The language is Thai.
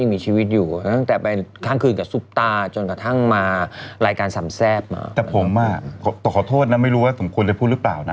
แล้วก็ให้ทุกคนเก็บเกี่ยวสนไป